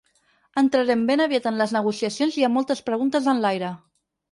Entrarem ben aviat en les negociacions i hi ha moltes preguntes en l’aire.